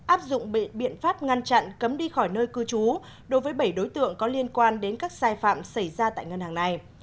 áp dụng biện pháp ngăn chặn cấm đi khỏi nơi cư trú đối với bảy đối tượng có liên quan đến các sai phạm xảy ra tại ngân hàng này